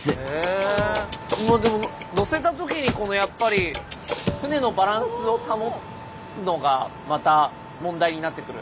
のせた時にこのやっぱり船のバランスを保つのがまた問題になってくる？